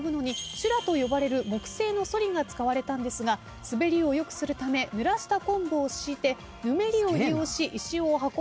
修羅と呼ばれる木製のソリが使われたんですが滑りを良くするためぬらした昆布を敷いてぬめりを利用し石を運んだのではといわれているそうです。